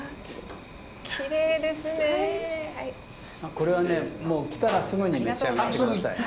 これはね来たらすぐに召し上がって下さい。